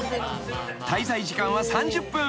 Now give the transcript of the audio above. ［滞在時間は３０分］